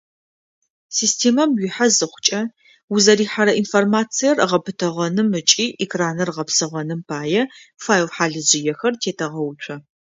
Системэм уихьэ зыхъукӏэ, узэрихьэрэ информациер гъэпытэгъэным ыкӏи экраныр гъэпсыгъэным пае, файл хьалыжъыехэр тетэгъэуцо.